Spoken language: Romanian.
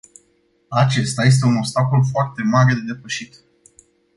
Acesta este un obstacol foarte mare de depășit.